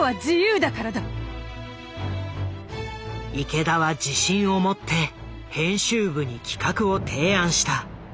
池田は自信を持って編集部に企画を提案した。